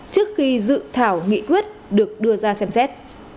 trước khi dự thảo nghị quyết được đưa ra xem xét